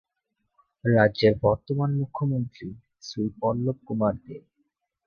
রাজ্যের বর্তমান মুখ্যমন্ত্রী শ্রী বিপ্লব কুমার দেব।